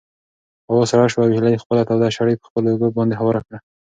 هوا سړه شوه او هیلې خپله توده شړۍ په خپلو اوږو باندې هواره کړه.